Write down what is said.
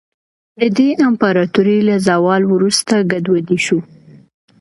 د دې امپراتورۍ له زوال وروسته ګډوډي شوه.